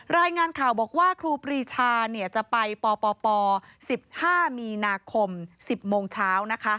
รายงานข่าวบอกว่าครูปรีชาจะไปปป๑๕มีนาคม๑๐โมงเช้า